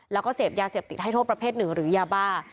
แล้วก็เสพยาเสพติดให้โทษประเภทหนึ่งหรือยาบ้า